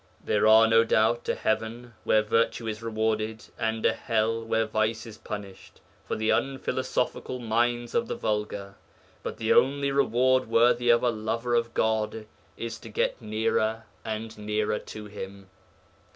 There are, no doubt, a heaven where virtue is rewarded, and a hell where vice is punished, for the unphilosophical minds of the vulgar. But the only reward worthy of a lover of God is to get nearer and nearer to Him.